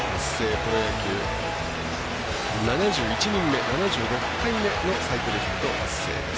プロ野球７１人目、７６回目のサイクルヒット達成です。